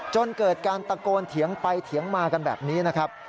จนเกิดการตะโกนเถียงไปเถียงมากันแบบนี้นะครับ